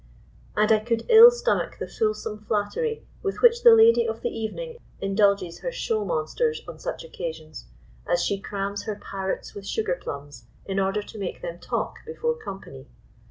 And I could ill stomach the fulsome flattery with which the lady of the evening indulges her show monsters on such occasions, as she crams her parrots with sugar plums, in order to make them talk before company.